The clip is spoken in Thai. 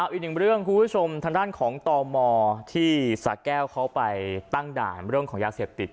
อีกหนึ่งเรื่องคุณผู้ชมทางด้านของตมที่สะแก้วเขาไปตั้งด่านเรื่องของยาเสพติด